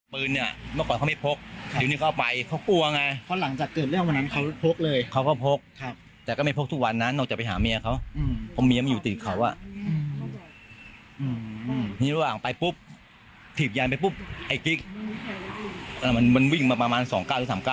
เพราะว่าในโต้ง